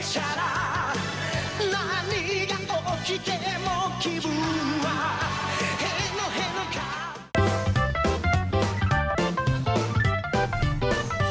ถ้าเป็นแบบนี้ก็แปลกดีนะครับ